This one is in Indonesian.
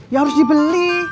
ya harus dibeli